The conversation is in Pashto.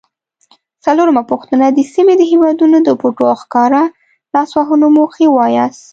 څلورمه پوښتنه: د سیمې د هیوادونو د پټو او ښکاره لاسوهنو موخې ووایاست؟